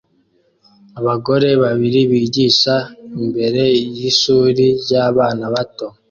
Abagore babiri bigisha imbere y'ishuri ry'abana bato